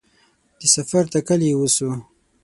د سفر تکل یې وسو